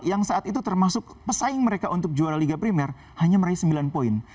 yang saat itu termasuk pesaing mereka untuk juara liga primer hanya meraih sembilan poin